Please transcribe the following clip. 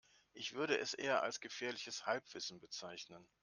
Ich würde es eher als gefährliches Halbwissen bezeichnen.